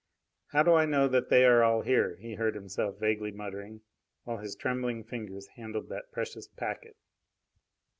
"How do I know that they are all here?" he heard himself vaguely muttering, while his trembling fingers handled that precious packet.